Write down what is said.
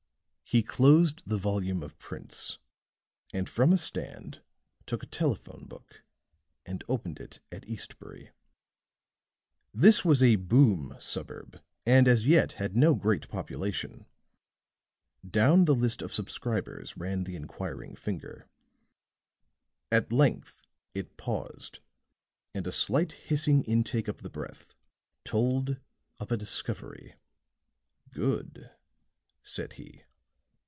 He closed the volume of prints; and from a stand took a telephone book and opened it at Eastbury. This was a "Boom" suburb, and as yet had no great population; down the list of subscribers ran the inquiring finger; at length it paused and a slight hissing intake of the breath told of a discovery. "Good," said he.